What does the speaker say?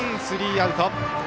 スリーアウト。